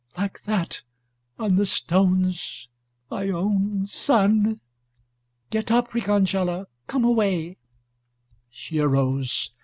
like that, on the stones, my own son?" "Get up, Riccangela, come away." She arose.